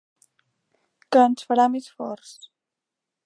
Que ens farà més forts.